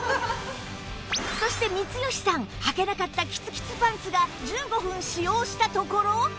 そして光吉さんはけなかったキツキツパンツが１５分使用したところ